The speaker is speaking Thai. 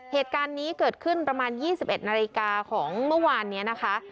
เหตุการณ์นี้เกิดขึ้นประมาณ๒๑นาฬิกาของเมื่อวานนี้นะคะ